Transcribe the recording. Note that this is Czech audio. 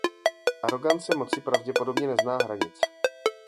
Arogance moci pravděpodobně nezná hranic.